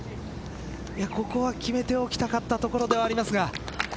ここは決めておきたかったところではありますが。